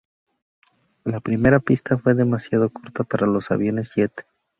La primera pista fue demasiado corta para los aviones jet.